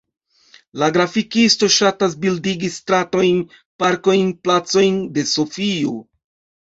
La grafikisto ŝatas bildigi stratojn, parkojn, placojn de Sofio.